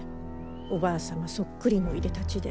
おばあ様そっくりのいでたちで。